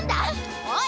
おい！